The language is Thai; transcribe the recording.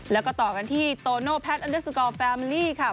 แล้วก็ต่อกันที่โตโนแพทแฟนคลับ